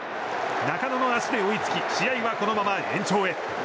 中野の足で追いつき試合はこのまま延長へ。